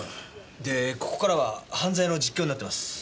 でここからは犯罪の実況になってます。